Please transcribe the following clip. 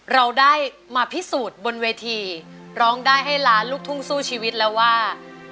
เราได้มาพิสูจน์บนเวทีร้องได้ให้ล้านลูกทุ่งสู้ชีวิตแล้วว่า